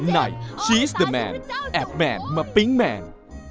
ในชีสเดอร์แมนแอบแมนมาปิ๊งแมน